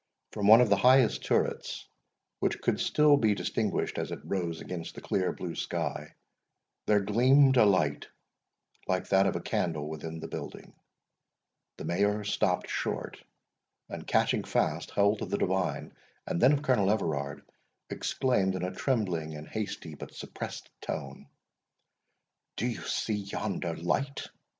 From one of the highest turrets, which could still be distinguished as it rose against the clear blue sky, there gleamed a light like that of a candle within the building. The Mayor stopt short, and catching fast hold of the divine, and then of Colonel Everard, exclaimed, in a trembling and hasty, but suppressed tone, "Do you see yonder light?"